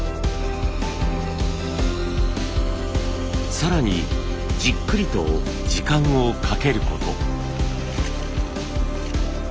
更にじっくりと時間をかけること。